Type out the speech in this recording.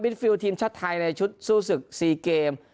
มิดฟิลด์ทีมชาติไทยในชุดซู่สึกซีเกม